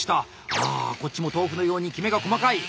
ああこっちも豆腐のようにきめが細かい。